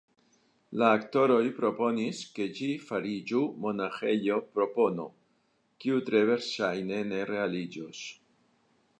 La aktoroj proponis, ke ĝi fariĝu monaĥejo – propono, kiu tre verŝajne ne realiĝos.